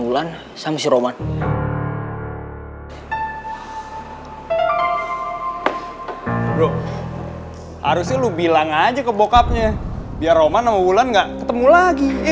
ulan sama si roman bro harusnya lu bilang aja ke bokapnya ya roman sama ulan enggak ketemu lagi ya video ini ketemu lagi ya